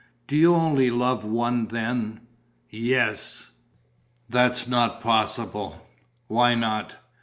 "Do you only love one then?" "Yes." "That's not possible." "Why not?"